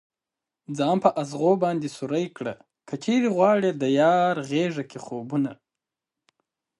ځان په ازغو باندې سوری كړه كه چېرې غواړې ديار غېږه كې خوبونه